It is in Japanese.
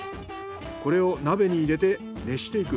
これを鍋に入れて熱していく。